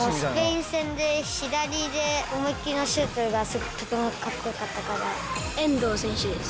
スペイン戦で左で思いっ切りのシュートがとてもかっこよかったか遠藤選手です。